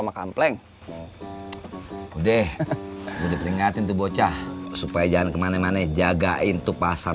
makam pleng deh udah diperingatin tuh bocah supaya jangan kemana mana jagain tuh pasar